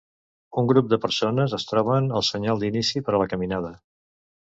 Un grup de persones es troben al senyal d'inici per a la caminada.